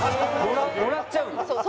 もらっちゃうの？